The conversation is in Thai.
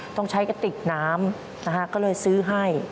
ต้องใช้กระติกน้ำนะฮะก็เลยซื้อให้